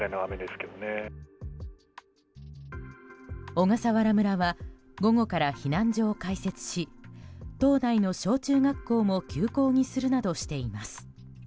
小笠原村は午後から避難所を開設し島内の小中学校も休校にするなどしています。